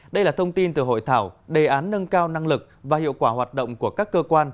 đây là thông tin từ hội thảo đề án nâng cao năng lực và hiệu quả hoạt động của các cơ quan